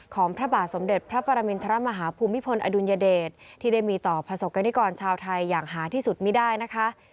พระบาทสมเด็จพระปรมินทรมาฮาภูมิพลอดุลยเดชที่ได้มีต่อประสบกรณิกรชาวไทยอย่างหาที่สุดไม่ได้นะคะ